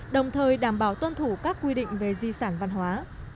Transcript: đồng thời đảm bảo tuân thủ các quy định về di sản văn hóa